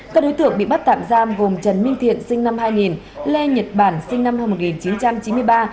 các đối tượng bị bắt tạm giam gồm trần minh thiện sinh năm hai nghìn lê nhật bản sinh năm một nghìn chín trăm chín mươi ba